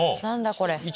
これ。